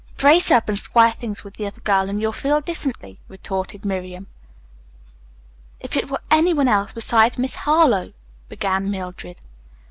"Brace up, and square things with the other girl, and you'll feel differently," retorted Miriam. "If it were any one else besides Miss Harlowe," began Mildred.